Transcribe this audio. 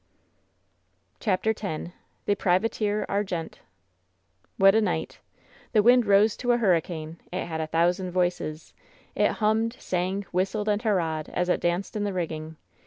CHAPTER X THE PBIVATEEB "aKQBNTE What a night! The wind rose to a hurricane! It had a thousand voices! It hummed, sang, whistled and hurrahed, as it danced in the rigging.